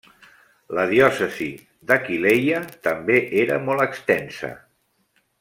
La diòcesi d'Aquileia també era molt extensa.